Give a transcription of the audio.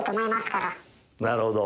なるほど。